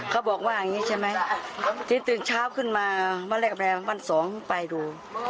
เขาบอกว่าอย่างนี้ใช่ไหมที่ตื่นเช้าขึ้นมาวันแรกวันสองไปดู